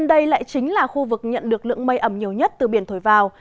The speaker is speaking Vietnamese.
đây lại chính là khu vực nhận được lượng mây ẩm nhiều nhất từ biển thổi vào